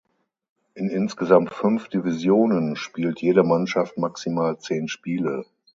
In insgesamt fünf Divisionen spielt jede Mannschaft maximal zehn Spiele.